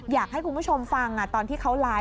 อยากให้คุณผู้ชมฟังตอนที่เขาไลฟ์